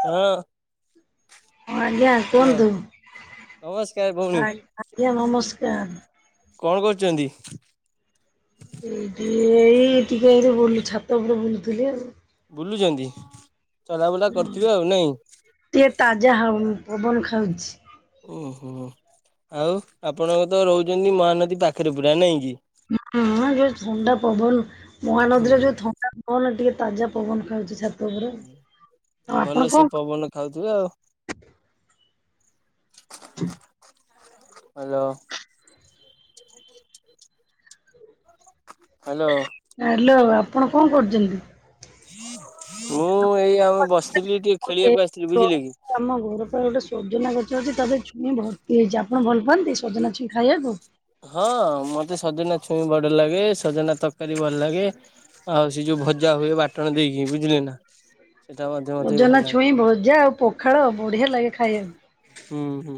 ହଁ। ହଁ ଆଜ୍ଞା କୁହନ୍ତୁ ନମସ୍କାର ଭଉଣୀ ଆଗ୍ ଆଜ୍ଞା ନମସ୍କାର। କଣ କରୁଚନ୍ତି? [unintelligible] ଏଇ ଟି ଏଇ ଟିକେ ଏ ବୁଲୁ ଛାତ ଉପରେ ବୁଲୁଥିଲି ଆଉ। ବୁଲୁଚନ୍ତି ଚଲାବୁଲା କରୁଥିବେ ଆଉ ନାଇଁ? ଟିକେ ତାଜା ହାଉନ୍ ପବନ ଖାଉଚି। ଓହ ଆଉ ଆପଣଙ୍କ ତ ରହୁଚନ୍ତି ମହାନଦୀ ପାଖରେ ପୁରା ନାଇଁ କି? ହୁଁ ଯେ ଥଣ୍ଡା ପବନ ହୁଁ ମହାନଦୀରେ ଯୋଉଥ ବନ ଟିକେ ତାଜା ପବନ ଖାଉଛି ଛାତ ଉପରେ ଆଉ ଭଲ ଆପଣ ସେ କଣ ପବନ ଖାଉଥିବେ ଆଉ। [inaudible] ହେଲୋ। [inaudible] ହାଲୋ। ହାଲୋ ଆପଣ କଣ କରୁଚନ୍ତି? ମୁଁ ଏଇ ଆଉ ବସିଥିଲି ଟିକ ଖେଳିବାକୁ ଆସିଥିଲି ବୁଝିଲେ କି। ମୋ ଗୋର ପାଇଁ ଗୋଟେ ସୁ ସୁଜନା ଗଛ ଅଛି ତାପରେ ଛୁଇଁ ଭର୍ତ୍ତି ହେଇଚି ଆପଣ ଭଲ ପାଆନ୍ତି ସଜନା ଛୁଇଁ ଖାଇବାକୁ? ହଁ ମତେ ସଜନା ଛୁଇଁ ବଡ ଲାଗେ ସଜନା ତକାରୀ ଭଲ ଲାଗେ। ଆଉ ସେ ଯୋଉ ଭଜା ହୁଏ ବାଟଣ ଦେଇକି ବୁଝିଲେ ନା। ସେଟା ମଧ୍ୟ ମତେ ବି ଭଲ ଅଜନା ଲାଗେ ଛୁଇଁ ଭଜା ଆଉ ପଖାଳ ବଢିଆ ଲାଗେ ଖାଇଆକୁ। ହୁଁ ହୁଁ।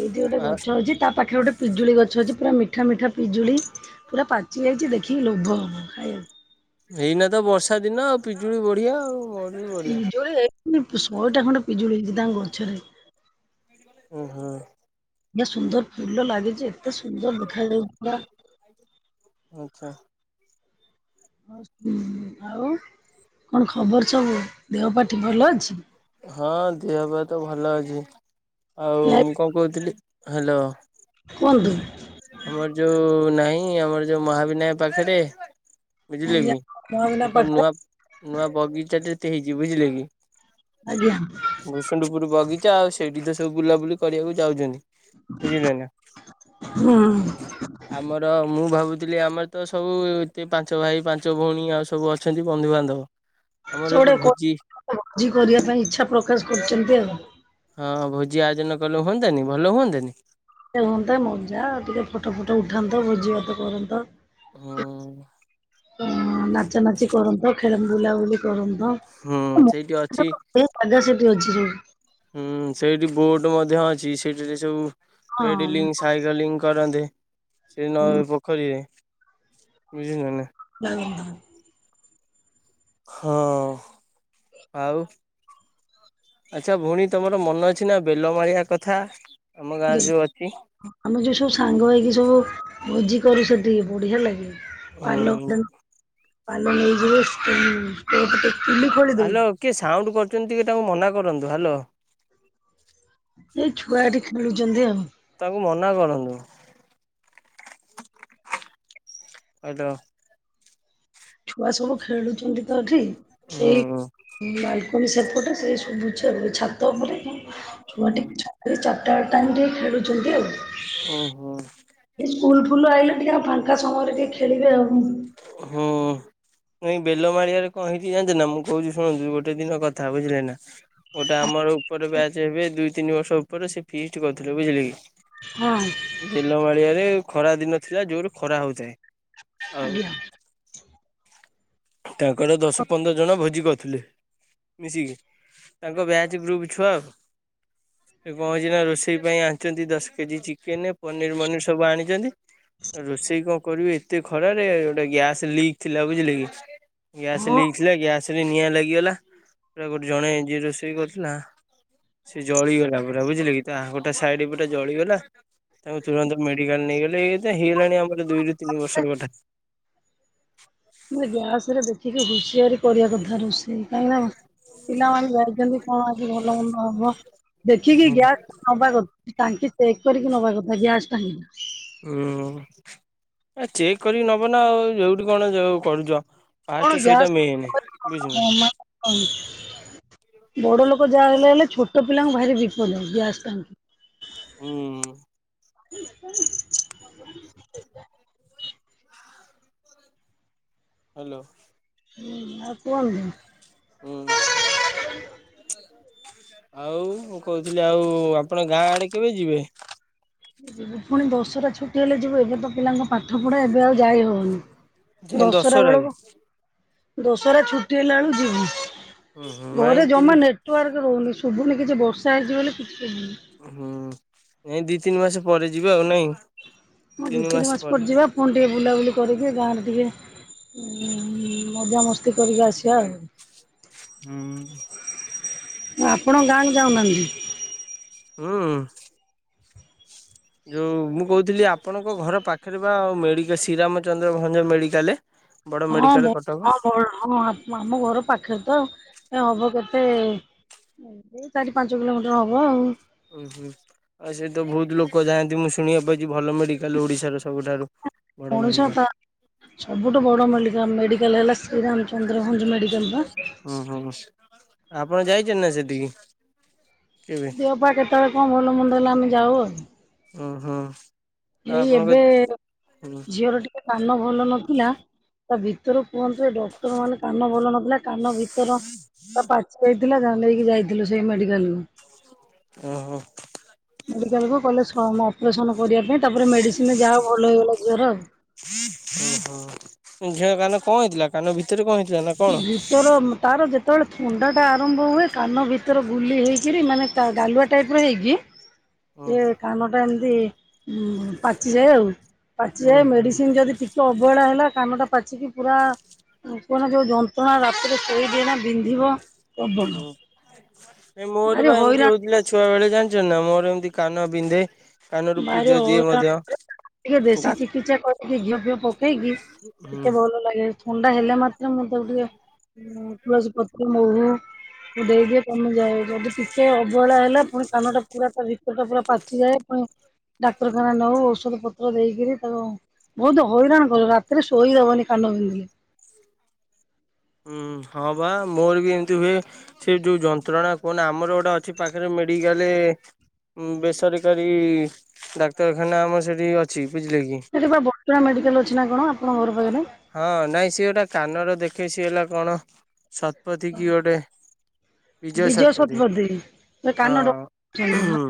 ଏଇଠି ଗୋଟେ ଆଉ ଗଛ ଅଛି ତା ପାଖରେ ଗୋଟେ ପିଜୁଳି ଗଛ ଅଛି ପୁରା ମିଠା ମିଠା ପିଜୁଳି ପୁରା ପାଚିଯାଇଛି ଦେଖିକି ଲୋଭ ହେବ ଖାଇଆକୁ। ଏଇନା ତ ବର୍ଷା ଦିନ ଆଉ ପିଜୁଳି ବଢିଆ ଆଉ। ବଢିଆ। ପିଜୁଳି ହେଇଚି ଶହେଟା ଖଣ୍ଡେ ପିଜୁଳି ହେଇଚି ତାଙ୍କ ଗଛରେ। ଓ ହୋ। ଏ ସୁନ୍ଦର ଫୁଲ ଲାଗିଚି ଏତେ ସୁନ୍ଦର ଦେଖାଯାଉଲା। ଆଚ୍ଛା। ଆଉ କଣ ଖବର ସବୁ? ଦେହ ପା ଠିକ ଭଲ ଅଛି। ହଁ ଦେହ ପା ତ ଭଲ ଅଛି ଆଉ ନା ମୁଁ କଣ କହୁଥିଲି ହାଲୋ। କୁହନ୍ତୁ। ଆମର ଯୋଉ ନାହିଁ ଆମର ଯୋଉ ମହାବିନାୟକ ପାଖରେ ବୁଝିଲେ ଆଜ୍ଞା କି ମହାବିନା ଏକ ପାଖରେ ନୂଆ ନୂଆ ବଗିଚା ଟେତେ ହେଇଛି ବୁଝିଲେ କି। ଆଜ୍ଞା। ଭୂସୁଣ୍ଡୁପୁରୁ ବଗିଚା ଆଉ ସେଇଠି ତ ସବୁ ବୁଲାବୁଲି କରିବାକୁ ଯାଉଚନ୍ତି ବୁଝିଲେ ନା। ହୁଁ। [inaudible] ଆମର ମୁଁ ଭାବୁଥିଲି ଆମର ତ ସବୁ ଏତେ ପାଞ୍ଚ ଭାଇ, ପାଞ୍ଚ ଭଉଣୀ ଆଉ ସବୁ ଅଛନ୍ତି ବନ୍ଧୁବାନ୍ଧବ ଆମର ଏକ ସେଗୋଡେ କ ଭୋଜି ଭୋଜି କରିବା ପାଇଁ ଇଚ୍ଛା ପ୍ରକାଶ କରୁଚନ୍ତି ଆଉ। ହଁ ଭୋଜି ଆୟୋଜନ କଲେ ହୁଅନ୍ତାନି ଭଲ ହୁଅନ୍ତାନି। [unintelligible] ହୁଅନ୍ତା ମଜା ଟିକେ ଫଟୋ ଫଟ ଉଠାନ୍ତ ଭୋଜିଭାତ କରନ୍ତ। ହୁଁ ଅ ନାଚା ନାଚି କରନ୍ତ ଖେଳ ବୁଲାବୁଲି କରନ୍ତ। ହୁଁ ସେଇଠି ଅଛି। ଏ ପାଦା ସେଠି ଅଛି ଯୋଉ। ହୁଁ ସେଇଠି ବୋଟ ମଧ୍ୟ ଅଛି ସେଠିରେ ସବୁ ହଁ ଏଇଟି ଲି ଫାଇରାଲିଙ୍ଗ କରନ୍ତି ସେ ନ ପୋଖରୀରେ ବୁଝିିଲେ ନା। [unintelligible] ହଁ ଆଉ। ଆଚ୍ଛା ଭଉଣୀ ତମର ମନ ଅଛି ନା ବେଲମାଳିଆ କଥା ଆମ ଗାଁରେ ଯୋଉ ଅଛି। ଆମେ ଯୋଉ ସବୁ ସାଙ୍ଗ ହେଇକି ସବୁ ଭୋଜି କରୁ ସେଟି ବଢିଆ ଲାଗେ। ପାଲ ହୁଁ ପାଲ ନେଇଯିବେ [unintelligible] ଚୁଲି ଖୋଳି ଦଉ ହ୍ୟାଲୋ କିଏ ସାଉଣ୍ଡ କରୁଛନ୍ତି ଟିକେ ତାଙ୍କୁ ମନା କରନ୍ତୁ ହ୍ୟାଲୋ। ଏ ଛୁଆ ଏଠି ଖେଳୁଚନ୍ତି ଆଉ। ତାକୁ ମନା କରନ୍ତୁ। ଆଲୋ। ଛୁଆ ସବୁ ଖେଳୁଛନ୍ତି ତ ଏଠି ହୁଁ ସେଇ ମାଇ ସବୁ ସେପଟେ ସେ ଶୁଭୁଚି ଆଉ ଛାତ ଉପରେ ଛୁଆଟେ ଏ ଚା ଚାଟାଏଳ ଟାଇମରେ ଖେଳୁଛନ୍ତି ଆଉ ଏ ଓହୋ ସୁ ସ୍କୁଲ ଫୁଲ ଆଇିଲେ ଟିକେ ଆ ଫାଙ୍କା ସମୟରେ ଟିକେ ଖେଳି ବେ ଆଉ। ହୁଁ। ନାଇଁ ବେଲ ମାଳିଆରେ କଣ ହେଇଚି ଯାନଚନ୍ତିନା ମୁଁ କହୁଛି ଶୁଣନ୍ତୁ ଗୋଟେ ଦିନ କଥା ବୁଝିଲେ ନା। ଗୋଟେ ଆମର ଉପରେ ବ୍ୟାଚ ହେବେ ଦୁଇ ତିନି ବର୍ଷ ଉପରେ ସେ ଫିଷ୍ଟ କରିଥିଲେ ବୁଝିଲେ କି। ହଁ। ବେଲମାଳିଆରେ ଖରା ଦିନ ଥିଲା ଯୋର ଖରା ହଉଥାଏ। ଆଉ ଆଜ୍ଞା। ତାଙ୍କର ଦଶ ପନ୍ଦର ଜଣ ଭୋଜି କରୁଥିଲେ। ମିଶିକି ତାଙ୍କ ବ୍ୟାଚ୍ ଗ୍ରୁପ୍ ଛୁଆ ଆଉ। ସେ କଣ ହେଇଛି ନା ରୋଷେଇ ପାଇଁ ଆଣିଛନ୍ତି ଦଶ କେଜି ଚିକେନେ ପନିର ମନିର୍ ସବୁ ଆଣିଛନ୍ତି। ରୋଷେଇ କଣ କରିବି ଏତେ ଖରାରେ ଗୋଟେ ଗ୍ୟାସ୍ ଲିକ୍ ଥିଲା ବୁଝିଲେ କି ଗ୍ୟାସ୍ ଲିକ ଥିଲା ଗ୍ୟାସ୍ ରେ ନିଆଁ ଲାଗିଗଲା। ପୁରା ଗୋଟେ ଜଣେ ଯିଏ ରୋଷେଇ କରୁଥିଲା ସେ ଜଳିଗଲା ପୁରା ବୁଝିଲେ କି ତା ଆଁ ଗୋଟେ ସାଇଡ ପୁରା ଜଳିଗଲା। ତାଙ୍କୁ ତୁରନ୍ତ ମେଡିକାଲ ନେଇଗଲେ ଏଇତ ହେଇଗଲାଣି ଆମର ଦୁଇରୁ ତିନି ବର୍ଷ କଥା। ମୁଁ କହିନି ଗ୍ୟାସ୍ ରେ ଦେଖିକି ହୁସିଆରି କରିବା କଥା ରୋଷେଇ। କାହିଁକିନା ପିଲାମାନେ ଯାଇଛନ୍ତି କଣ ଆଜି ଭଲ ମନ୍ଦ ହବ ଦେଖିକି ହୁଁ ଗ୍ୟାସ୍ ନବା କଥା। ଟାଙ୍କି ଚେକ୍ କରିକି ନବା କଥା ଗ୍ୟାସ୍ ଟାଙ୍କିଟା। ହୁଁ ଚେକ୍ ଏ କରିକି ନବ ନା ଆଉ ଯୋଉଠି କଣ ଯୋଉ କଣ ଯ କଣ ଫାଷ୍ଟ ସେଇଟା ମେନେ ବୁଝିଲୁନାଁ। ହଁ ବଡ ଲୋକ ଯାହା ହେଲେ ହେଲେ ଛୋଟ ପିଲାଙ୍କୁ ଭାରି ବିପଦ ଗ୍ୟାସ୍ ଟାଙ୍କି। ହୁଁ ହ୍ୟାଲୋ ହୁଁ ଆଉ କୁହନ୍ତୁ। ହୁଁ। ଆଉ ମୁଁ କହୁଥିଲି ଆଉ ଆପଣ ଗାଁ ଆଡେ କେବେ ଯିବେ? ଯିବୁ ପୁଣି ଦଶରା ଛୁଟି ହେଲେ ଯିବୁ ଏବେ ତ ପିଲାଙ୍କ ପାଠ ପଢା ଏବେ ଆଉ ଯାଇ ହବନି। ଯାଇ ଦଶହରା ଦଶହରାକୁ? ବେଳକୁ ଦଶହରା ଛୁଟି ହେଲା ଏଳକୁ ଯିମୁ। ହୁଁ ହୁଁ ନାଇଁ ଘରେ ତିନି ଜମା ନେଟୱାର୍କ ରହୁନି ଶୁଭୁନି କିଛି ବର୍ଷା ହେଇଛି ବୋଲି କିଛି ଶୁଭୁନି। ଏଇ ଦି ତିନି ମାସ ପରେ ଯିବେ ଆଉ ନାଇଁ? ହଁ ଦି ତିନି ମାସ ପରେ ଯିବା ପୁଣି ଟିକିଏ ବୁଲାବୁଲି କରିକି ଗାଁରେ ଟିକିଏ ମଜାମସ୍ତି କରିକି ଆସିବା ଆଉ। ହୁଁ। ଆପଣ ଗାଁକୁ ଯାଉନାହାନ୍ତି? ହୁଁ। ଯୋଉ ମୁଁ କହୁଥିଲି ଆପଣଙ୍କ ଘର ପାଖରେ ବା ମେଡ଼ିକା ଶ୍ରୀରାମଚନ୍ଦ୍ର ଭଞ୍ଜ ମେଡିକାଲେ। ହଁ ମ ହଁ ମ ହଁ ଆମ ଘର ପାଖରେ ତ ଏ ହବ କେତେ ଏଇ ସେଇ ଚାରି ପାଞ୍ଚ କିଲୋମିଟର ହବ ଆଉ। ଉଁ ହୁଁ। ଆଉ ସେ ତ ବୋହୁତ ଲୋକ ଯାଆନ୍ତି ମୁଁ ଶୁଣିବାକୁ ପାଇଛି ଭଲ ମେଡିକାଲ ଓଡିଶାର ସବୁଠାରୁ। ବଡ ମେଡିକାଲ। ଉଣେସତା ସବୁଠୁ ବଡ଼ ମେଡ଼ିକା ମେଡ଼ିକାଲ ହେଲା ଶ୍ରୀରାମଚନ୍ଦ୍ର ଭଞ୍ଜ ମେଡ଼ିକାଲ ବା। ଓ ହୋ ଆପଣ ଯାଇଛନ୍ତି ନା ସେଟିକି କେବେ? ଦେହ ପା କେତେବେଳେ କଣ ଭଲ ମନ୍ଦ ହେଲେ ଆମେ ଯାଉ ଆଉ। ଓ ହୋ। ଏଇ ଏବେ ଝିଅର ଟିକେ କାନ ଭଲ ନଥିଲା ତା ଭିତରୁ କୁହନ୍ତୁ ଏ ଡକ୍ଟର ମାନେ କାନ ଭଲ ନଥିଲା କାନ ଭିତ ତର ତା ପାଚି ଯାଇଥିଲା ନେଇକି ଯାଇଥିଲୁ ସେଇ ମେଡିକାଲ କୁ। ଓ ହୋ। ମେଡିକାଲ କୁ କହିଲେ ସମ ଅପରେସନ କରିବା ପାଇଁ ତାପରେ ମେଡିସିନି ରେ ଯାହା ହୋଉ ଭଲ ହେଇଗଲା ଝିଅର ଆଉ। ଓ ହୋ ଝିଅ କାନ କଣ ହେଇଥିଲା କାନ ଭିତରେ କଣ ହେଇଥିଲା ନା କଣ? ଭିତର ତାର ଯେତେବେଳେ ଥଣ୍ଡାଟା ଆରମ୍ଭ ହୁଏ କାନ ଭିତରେ ଗୁଲି ହେଇକିରି ମାନେ ତା ଗାଲୁଆ ଟାଇପ ର ହେଇକି ହୁଁ ସେ କାନ ଟା ଏମତି ଉଁ ପାଚିଯାଏ ଆଉ, ହୁଁ ପାଚିଯାଏ ହୁଁ ମେଡିସିନ ଯଦି ଅବହେଳା ହେଲା କାମଟା ପାଚିକି ପୁରା କୁହନା ଯୋଉ ଯନ୍ତ୍ରଣା ରାତିରେ ଶୋଇଦିଏନା ବିନ୍ଧିବ। ପ୍ରବଳ ହଁ। ନାଇ ମୋର ବା ଭାରି ଏମିତି ହଇରାଣ ହଉଥି ଛୁଆ ବେଳେ ଜାଣିଛ ନା ମୋର ଏମିତି କାନ ବିନ୍ଧେ। କାନରୁ ଭାରି ପୂଜ ଜିଏ ହଇରାଣ ମଧ୍ୟ। ଟିକେ ଦେଶୀ ହୁଁ ଚିକିତ୍ସା କରିକି ଘିଅ ଫିଅ ପକେଇକି ଟିକେ ଭଲ ଲାଗେ। ଥଣ୍ଡା ହେଲା ମାତ୍ରେ ମୁଁ ତାକୁ ଟିକେ ତୁଳସୀ ପତ୍ର, ମହୁ ମୁଁ ଦେଇଦିଏ କମିଯାଏ। ଯଦି ଟିକେ ଅବହେଳା ହେଲା ପୁଣି କାନଟା ପୁରା ଭିତର ଟା ପୁରା ପାଚିଯାଏ। ଡାକ୍ତରଖାନା ନଉ ଔଷଧ ପତ୍ର ଦେଇକିରି ତାକୁ ବହୁତ ହଇରାଣ କରେ ରାତିରେ ଶୋଇଦବନି କାନ ବିନ୍ଧିଲେ। ହୁଁ ହଁ ବା ମୋର ବି ଏମତି ହୁଏ, ସେ ଯୋଉ ଯନ୍ତ୍ରଣା କୁହନା ଆମର ଗୋଟେ ଟା ଅଛି ପାଖରେ ମେଡିକାଲ ବେସରକାରୀ ଡାକ୍ତରଖାନା ଆମର ସେଠି ଅଛି ବୁଝିଲେ କି? ସେଠି ପା ବଡ଼ ମେଡ଼ିକାଲ ଅଛି ନା କଣ ଆପଣଙ୍କ ଘର ପାଖରେ? ହଁ, ନାଇଁ ସିଏ ଗୋଟେ କାନର ଦେଖେ ସିଏ ହେଲା କଣ ଶତପଥୀ କିଏ ଗୋଟେ? ବିଜୟ ଶତପଥୀ ସେ ହଁ କାନ ଡକ୍ଟର ଅଛନ୍ତି ହୁଁ।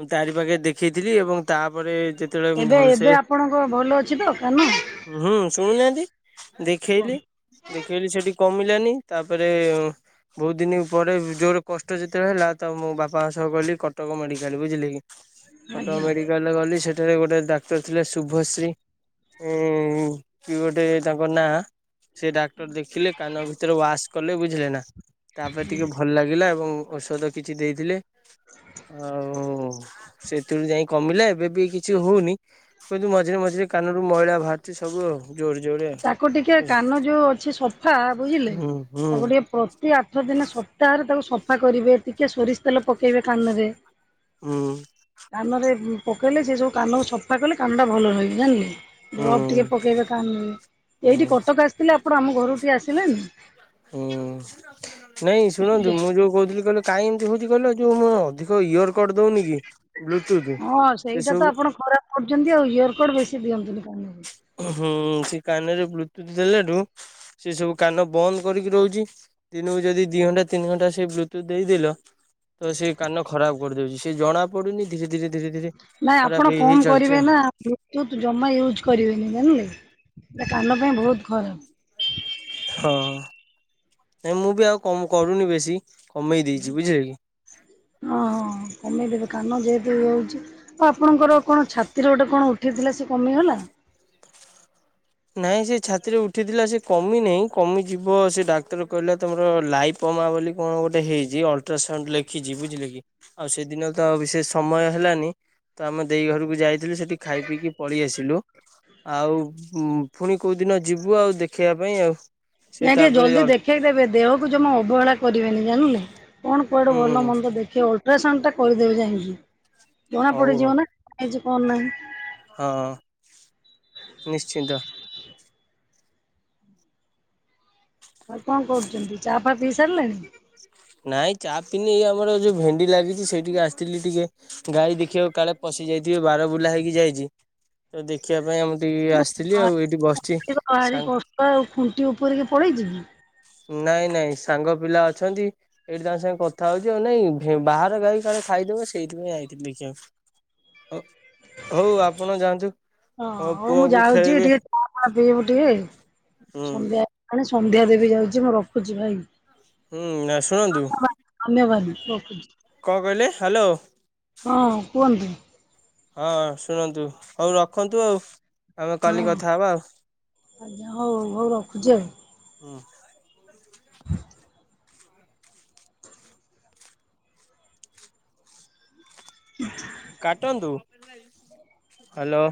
ମୁଁ ତାରି ପାଖେ ଦେଖେଇଥିଲି ଏବଂ ତାପରେ ଯେତେବେଳେ ମୁଁ ଏବେ ଭଲସେ ଏବେ ଆପଣଙ୍କ ଭଲ ଅଛି ତ କାନ? ହୁଁ ଶୁଣୁନାହାନ୍ତି ଦେଖେଇଲି ଦେଖେଇଲିି ସେଠି କମିଲାନି ତାପରେ ବହୁତ ଦିନ ପରେ ଯୋରେ କଷ୍ଟ ଯେତେବେଳେ ହେଲା ତ, ମୁଁ ବାପାଙ୍କ ସହ ଗଲି କଟକ ମେଡିକାଲ ବୁଝିଲେ କଟକ ଆଜ୍ଞା ମେଡିକାଲରେ ଗଲି ସେଠାରେ ଗୋଟେ ଡାକ୍ତର ଥିଲେ ଶୁଭଶ୍ରୀ। ଉଁ କିଏ ଗୋଟେ ତାଙ୍କ ନାଁ। ସେ ଡାକ୍ତର ଦେଖିଲେ। କାନ ଭିତରେ ୱାଶ କଲେ ବୁଝିଲେ ନା। ତାପରେ ଟିକେ ଭଲ ଲାଗିଲା ଏବଂ ଔଷଧ କିଛି ଦେଇଥିଲେ। ଆଉ ସେଥିରୁ ଯାଇ କମିଲା, ଏବେ ବି କିଛି ହଉନି। କିନ୍ତୁ ମଝିରେ ମଝିରେ କାନରୁ ମଇଳା ସବୁ ଆଉ। ଜୋରେ ଜୋରେ ତାକୁ ଟିକେ ହୁଁ କାନ ଯୋଉ ଅଛି ସଫା ବୁଝିଲେ ହୁଁ ତାକୁ ଟିକେ ଟେ ଆଠ ଦିନ ସପ୍ତାହରେ ତାକୁ ସଫା କରି। ବେ ଟିକିେ ସୋରିଷ ତେଲ ପକେଇବେ କାନରେ। ହୁଁ। କାନରେ ପକେଇଲେ ସେ ସବୁ କାନକୁ ସଫା କଲେ କାନଟା ଭଲ ରହିବେ ଜାଣିଲେ। ଡ୍ରପ୍ ଟିକେ ହୁଁ। ପକେଇବେ କାନ୍ ହୁଁ ଏଇଠି କଟକ ଆସିଥିଲେ। ଆପଣ ଆମ ଘରୁ ଟିକେ ଆସିଲେନି। ହୁଁ, ନାଇଁ ଶୁଣନ୍ତୁ ମୁଁ ଯୋଉ କହୁଥିଲି କ କାଇଁ ଏମତି ହଉଛି କହିଲ, ଏ ଯୋଉ ମୁଁ ଅଧିକ ଇୟର କଡ୍ ଦଉନି କି ବ୍ଲୁଟୁଥ୍ ହଁ ସେ ସେଇଟା ତ ସବୁ ଆପଣ ଖରାପ କରୁଛନ୍ତି ଆଉ। ଇୟର କଡ ବେଶୀ ଦିଅନ୍ତୁନି କାନରେ। ହୁଁ ସେ କାନରେ ବ୍ଲୁଟୁଥ ଦେଲାଠୁ ସେ ସବୁ କାନ ବନ୍ଦ କରିକି ରହୁଛି। ଦିନକୁ ଯଦି ଦି ଘଣ୍ଟା ତିନି ଘଣ୍ଟା ସେଇ ବ୍ଲୁ ଟୁଥ ଦେଇଦେଲ ତ ସେଇ କାନ ଖରାପ କରିଦଉଛି। ସେ ଜଣା ପଡୁନି ଧୀରେ ଧୀରେ - ଧୀରେ ଧୀରେ ଖରାପ ହେଇ ଚାଲିଛି ଆଉ। ବ୍ଲୁ-ତୁଥ୍ ଜମା ୟୁଜ କରିବେନି ଜାଣିଲେ ସେ କାନ ପାଇଁ ବହୁତ ଖରାପ। ହଁ ନାଇଁ ମୁଁ ବି ଆଉ କ- କରୁନି ବେଶୀ କମେଇ ଦେଇଛି ବୁଝିଲେ। ହଁ ହଁ କମେଇଦେବେ କାନ ଯେହେତୁ ଇଏ ହଉଛି। ଆଉ ଆପଣଙ୍କର କଣ ଛାତିର ଗୋଟେ କଣ ଉଠେଇଥିଲା ସେ କମିଗଲା? ନାଇଁ ସେ ଛାତିରେ ଉଠିଥିଲା ସେ କମି ନାହିଁ। କମିଯିବ ସେ ଡାକ୍ତର କହିଲା ତମର ଲା ପମା ବୋଲି କଣ ଗୋଟେ ହେଇଛି? ଅଲ୍ଟ୍ରାସାଉଣ୍ଡ ଲେଖିଛି ବୁଝିଲେ କି? ଆଉ ସେଦିନ ତ ବିଶେଷ ସମୟ ହେଲାନି। ତ ଆମେ ଦେଇ ଘରକୁ ଯାଇଥିଲୁ ସେଠି ଖାଇ ପିଇକି ପଳେଇ ଆସିଲୁ ଆଉ। ପୁଣି କଉଦିନ ଯିବୁ ଆଉ ଦେଖେଇିବା ପାଇଁ ଆଉ। ସେ ନାଇଁ ଟିକେ ତାପରେ ଜଲଦି ଦେଖେଇକି ଦେବେ ଦେହକୁ ଜମା ଅବହେଳା କରିବେନି ଜାଣିଲେ କଣ କୁଆଡେ ଭଲ ହୁଁ ମନ୍ଦ ଦେଖ। କି ଅଲଟ୍ରାସାଉଣ୍ଡ ଟା କରିଦେବେ ଯାଇକି ଜଣା ହଉ ହଉ ପଡିଯିବ ନା କଣ ହେଇଛି କଣ ନାହିଁ। ହଁ ନିଶ୍ଚିନ୍ତ। ଆଉ କଣ କରୁଛନ୍ତି ଚା ଫା ପିଇ ସାରିଲେଣି। ନାଇଁ ଚା ପିଇନି ଏ ଆମର ଯୋଉ ଭେଣ୍ଡି ଲାଗିଛି ସେଇଠିକି ଆସିଥିଲି ଟିକେ। ଗାଈ ଦେଖିବାକୁ କାଳେ ପଶି ଯାଇଥିବେ ବାର ବୁଲା ହେଇକି ଯାଇଛି। ତ ଦେଖିବା ପାଇଁ ଆମ ଟିକେ ଆସିଥିଲି ଆଉ ଏଇଠି ବସିଛିି ଭାରି ସାଙ୍ଗ। କଷ୍ଟ ଆଉ ଖୁଣ୍ଟି ଉପରକୁ ପଳେଇଛି କି। ନାଇଁ ନାଇଁ ସାଙ୍ଗ ପିଲା ଅଛନ୍ତି। ଏଇଠି ତାଙ୍କ ସାଙ୍ଗେ କଥା ହଉଛି ଆଉ ନାଇଁ ବାହାରେ ଗାଈ କାଳେ ଖାଇଦେବେ ସେଇଥିପାଇଁ ଆଇଥିଲି ଦେଖିବାକୁ। ଆଉ। ହଉ ଆପଣ ଯାଆନ୍ତୁ ହଁ ହଉ ମୁଁ ପୁଅକୁ ଯାଉଛି ଖେଲେଇବେ। ଟିକେ ଚା ଫା ହଁ। ମାନେ ସନ୍ଧ୍ୟା ଦେଵି ଯାଉଛି ମୁଁ ରଖୁଛିଭାଇ। ହୁଁ ନା ଶୁଣନ୍ତୁ। ଧନ୍ୟବାଦ ରଖୁଛି। କଣ କହିଲେ ହ୍ୟାଲୋ। ହଁ କୁହନ୍ତୁ। ହଁ ଶୁଣନ୍ତୁ ହଉ ରଖନ୍ତୁ ଆଉ। ଆମେ କାଲି କଥା ହଁ ହବା ଆଉ ଆଜ୍ଞା ହଉ ହଉ ରଖୁଛି ଆଉ ହୁଁ। ଆଛା କାଟନ୍ତୁ ହ୍ୟାଲୋ।